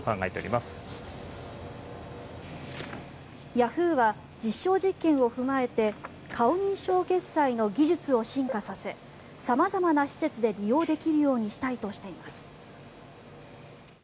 ヤフーは実証実験を踏まえて顔認証決済の技術を進化させ様々な施設で利用できるようにしたいとしています。